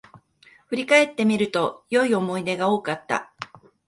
振り返ってみると、良い思い出が多かった